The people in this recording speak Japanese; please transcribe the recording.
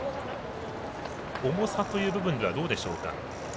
重さという部分ではどうでしょうか？